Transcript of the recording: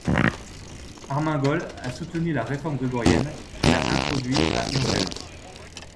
Armengol a soutenu la réforme grégorienne, qu'il a introduit à Urgel.